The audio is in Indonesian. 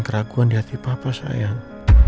keraguan di hati papa sayang